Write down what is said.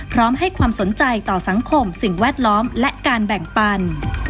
พร้อมให้ความสนใจต่อสังคมสิ่งแวดล้อมและการแบ่งปัน